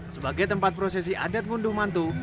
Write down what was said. sebagai tempat prosesi adat ngunduh mantu